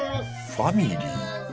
ファミリー？